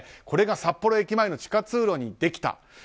これが札幌駅前の地下通路にできた。